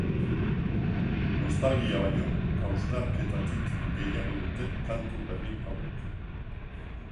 Nostalgia baino, hausnarketatik gehiago dute kantu berri hauek.